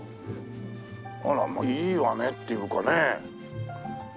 あらまあいいわねっていうかね。